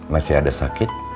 masih ada sakit